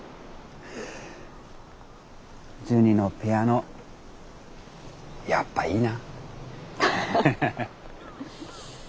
ジュニのピアノやっぱいいな。